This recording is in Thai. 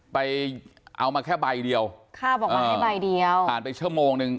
ไปเอามาแค่ใบเดียวข้าบอกมาให้ใบเดียวผ่านไปชั่วโมงนึง